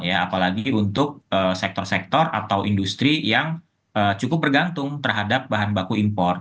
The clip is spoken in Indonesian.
apalagi untuk sektor sektor atau industri yang cukup bergantung terhadap bahan baku impor